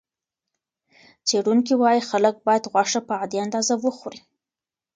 څېړونکي وايي خلک باید غوښه په عادي اندازه وخوري.